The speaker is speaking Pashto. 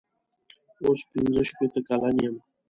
اوس پنځه شپېته کلن یم.